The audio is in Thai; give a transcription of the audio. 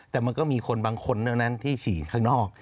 แต่มันก็มีคนบางคนทั้งนั้นที่ฉี่ข้างนอก